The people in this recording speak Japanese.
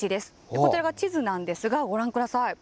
こちらが地図なんですがご覧ください。